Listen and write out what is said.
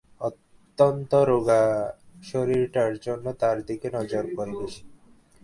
অত্যন্ত রোগা শরীরটার জন্যেই তার দিকে নজর পড়ে বেশি।